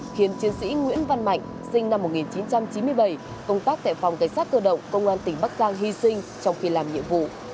khiến chiến sĩ nguyễn văn mạnh sinh năm một nghìn chín trăm chín mươi bảy công tác tại phòng cảnh sát cơ động công an tỉnh bắc giang hy sinh trong khi làm nhiệm vụ